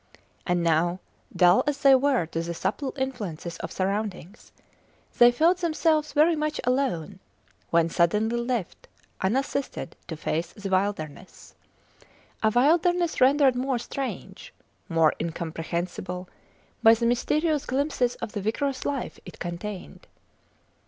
And now, dull as they were to the subtle influences of surroundings, they felt themselves very much alone, when suddenly left unassisted to face the wilderness; a wilderness rendered more strange, more incomprehensible by the mysterious glimpses of the vigorous life it contained.